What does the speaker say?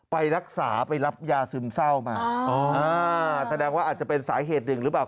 ไปรักษาไปรับยาซึมเศร้ามาอ๋ออ่าแสดงว่าอาจจะเป็นสาเหตุหนึ่งหรือเปล่า